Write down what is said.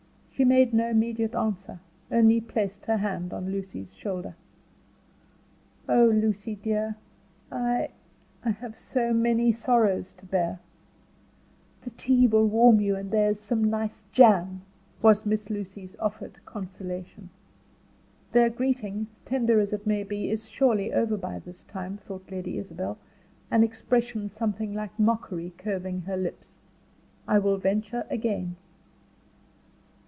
She made no immediate answer, only placed her hand on Lucy's shoulder. "Oh, Lucy dear, I I have many sorrows to bear." "The tea will warm you, and there is some nice jam," was Miss Lucy's offered consolation. "Their greeting, tender as it may be, is surely over by this time," thought Lady Isabel, an expression something like mockery curving her lips. "I will venture again."